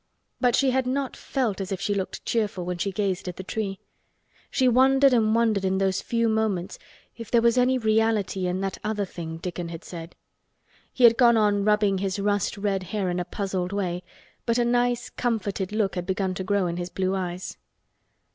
But she had not felt as if she looked cheerful when she gazed at the tree. She wondered and wondered in those few moments if there was any reality in that other thing Dickon had said. He had gone on rubbing his rust red hair in a puzzled way, but a nice comforted look had begun to grow in his blue eyes.